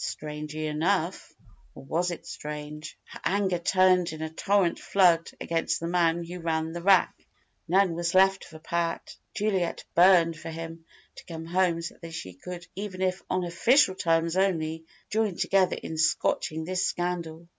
Strangely enough or was it strange? her anger turned in a torrent flood against the man who ran the rag. None was left for Pat. Juliet burned for him to come home so that they could even if "on official terms only" join together in scotching this scandal.